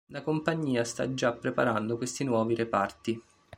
La compagnia sta già preparando questi nuovi reparti.